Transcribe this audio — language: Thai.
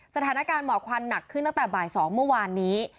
สถานการณ์หมอกควันหนักขึ้นตั้งแต่บ่าย๒เมื่อวานนี้